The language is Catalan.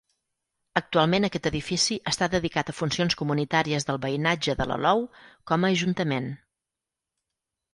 Actualment aquest edifici està dedicat a funcions comunitàries del veïnatge de l'Alou com a ajuntament.